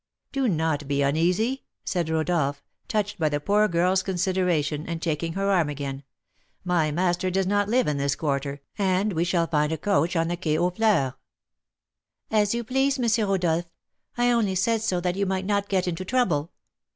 "Do not be uneasy," said Rodolph, touched by the poor girl's consideration, and taking her arm again; "my master does not live in this quarter, and we shall find a coach on the Quai aux Fleurs." "As you please, M. Rodolph; I only said so that you might not get into trouble."